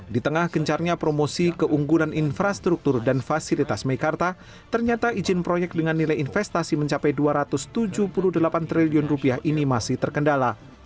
di tengah gencarnya promosi keunggulan infrastruktur dan fasilitas mekarta ternyata izin proyek dengan nilai investasi mencapai rp dua ratus tujuh puluh delapan triliun ini masih terkendala